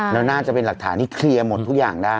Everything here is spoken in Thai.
แล้วน่าจะเป็นหลักฐานที่เคลียร์หมดทุกอย่างได้